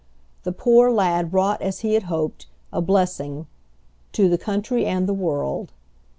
The poor lad wrought as he had hoped, a blessing "to the country and the world."